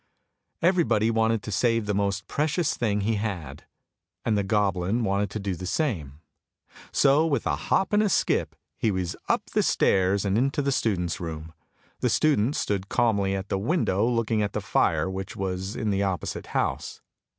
Everybody wanted to save the most precious thing he had, and the goblin wanted to do the same, so with a hop and a skip he was up the stairs and into the student's room. The student stood calmly at the window looking at the fire which was in the opposite house.